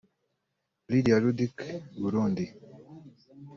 Lydia Ludic (Burundi)